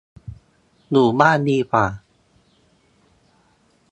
อยู่บ้านดีกว่า